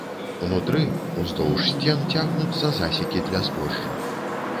Унутры, уздоўж сцен, цягнуцца засекі для збожжа.